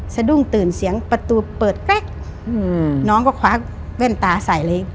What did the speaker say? สะดุ้งตื่นเสียงประตูเปิดแก๊กน้องก็คว้าแว่นตาใส่เลย